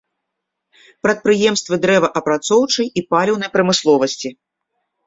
Прадпрыемствы дрэваапрацоўчай і паліўнай прамысловасці.